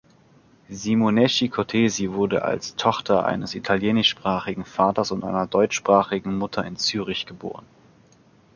Simoneschi-Cortesi wurde als Tochter eines italienischsprachigen Vaters und einer deutschsprachigen Mutter in Zürich geboren.